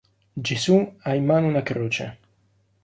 Gesù ha in mano una croce.